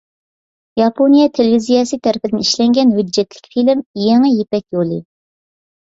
ياپونىيە تېلېۋىزىيەسى تەرىپىدىن ئىشلەنگەن ھۆججەتلىك فىلىم: «يېڭى يىپەك يولى» .